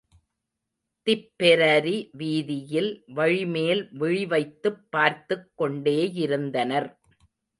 Tipperary வீதியில் வழிமேல் விழிவைத்துப் பார்த்துக் கொண்டேயிருந்தனர்.